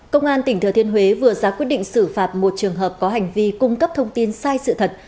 công an tỉnh thừa thiên huế vừa ra quyết định xử phạt một trường hợp có hành vi cung cấp thông tin sai sự thật